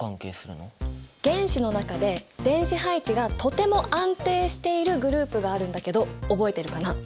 原子の中で電子配置がとても安定しているグループがあるんだけど覚えているかな？